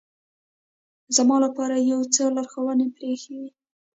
زما لپاره یو څو لارښوونې پرې اېښې وې.